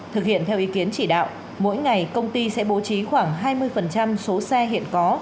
thực hiện theo ý kiến chỉ đạo mỗi ngày công ty sẽ bố trí khoảng hai mươi số xe hiện có